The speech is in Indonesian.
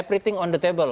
semuanya di tabel